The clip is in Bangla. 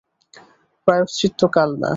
প্রায়শ্চিত্ত কাল না।